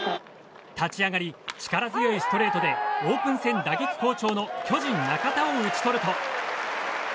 立ち上がり、力強いストレートでオープン戦打撃好調の巨人、仲田を打ち取ると。